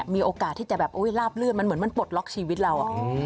มีโอกาสที่จะราบเลือดเหมือนมันปลดล็อกชีวิตเรา